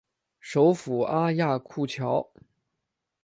首府阿亚库乔。